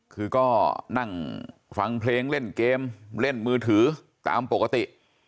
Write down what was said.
คือก็นั่งฟังเพลงเล่นเกมเล่นมือถือตามปกติ